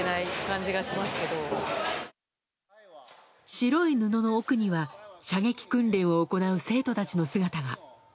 白い布の奥には射撃訓練を行う生徒たちの姿が。